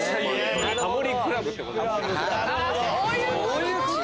そういうこと！